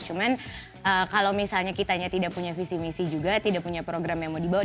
cuman kalau misalnya kitanya tidak punya visi misi juga tidak punya program yang mau dibawa